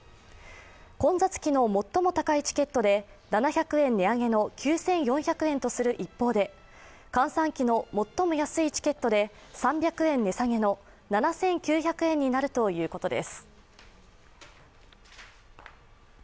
混雑期の最も高いチケットで７００円値上げの９４００円とする一方で、閑散期の最も安いチケットで３００円値下げの７９００円になるということです。